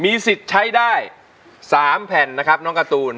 สิทธิ์ใช้ได้๓แผ่นนะครับน้องการ์ตูน